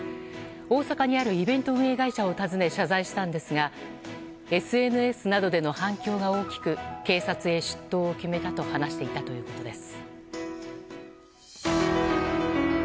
大阪にあるイベント運営会社を訪ね謝罪したんですがＳＮＳなどでの反響が大きく警察へ出頭を決めたと話していたということです。